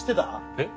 えっ？